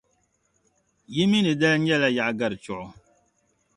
Yi mi ni dali nyɛla Yaɣigari Chuɣu.